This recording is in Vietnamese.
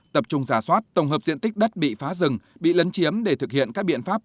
tập trung giả soát tổng hợp diện tích đất bị phá rừng bị lấn chiếm để thực hiện các biện pháp